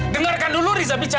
dengarkan dulu rissa bicara